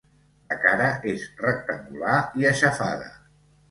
La cara és rectangular i aixafada.